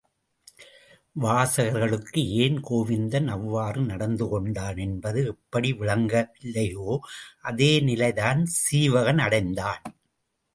வாசகர்களுக்கு ஏன் கோவிந்தன் அவ்வாறு நடந்து கொண்டான் என்பது எப்படி விளங்க வில்லையோ அதே நிலைதான் சீவகன் அடைந்தான்.